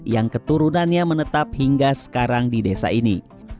yang keturunannya menetap hingga sekarang di desa ini